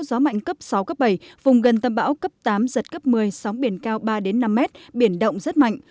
gió mạnh cấp sáu cấp bảy vùng gần tâm bão cấp tám giật cấp một mươi sóng biển cao ba năm mét biển động rất mạnh